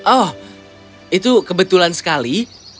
oh itu kebetulan sekali